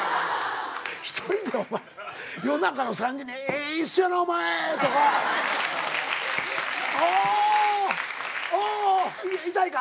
一人でお前夜中の３時にええ椅子やなお前とか。ああ痛いか？